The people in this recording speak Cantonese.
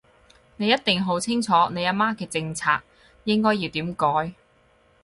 你一定好清楚你阿媽嘅政策應該要點改